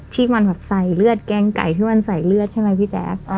ที่มันแบบใส่เลือดแกงไก่ที่มันใส่เลือดใช่ไหมพี่แจ๊ค